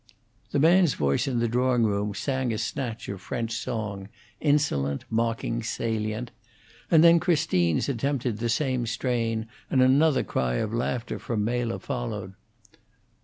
The man's voice in the drawing room sang a snatch of French song, insolent, mocking, salient; and then Christine's attempted the same strain, and another cry of laughter from Mela followed.